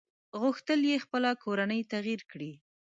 غوښتل يې خپله کورنۍ تغيير کړي.